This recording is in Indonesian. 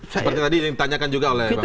seperti tadi yang ditanyakan juga oleh bang